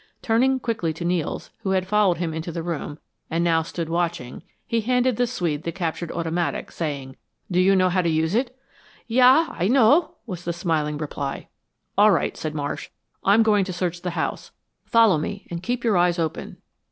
Turning quickly to Nels, who had followed him into the room, and now stood watching, he handed the Swede the captured automatic, saying, "Do you know how to use it?" "Ya, Aye know;" was the smiling reply. "All right," said Marsh. "I'm going to search the house. Follow me and keep your eyes open."